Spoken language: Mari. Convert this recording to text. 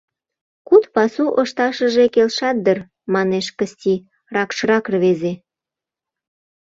— Куд пасу ышташыже келшат дыр, — манеш Кысти, ракшрак рвезе.